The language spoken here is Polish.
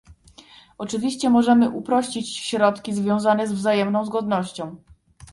Oczywiście możemy uprościć środki związane z wzajemną zgodnością